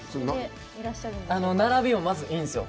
並びがまずいいんですよ